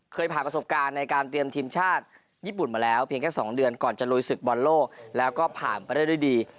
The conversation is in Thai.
เคยผ่านประสบการณ์ในการเตรียมทีมชาติญี่ปุ่นมาแล้วเพียงแค่๒เดือนก่อนจะลุยศึกบอลโลกแล้วก็ผ่านไปได้ด้วยดี